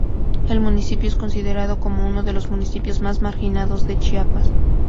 El municipio es considerado como uno de los municipios más marginados de Chiapas.